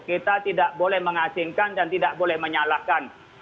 kita tidak boleh mengasingkan dan tidak boleh menyalahkan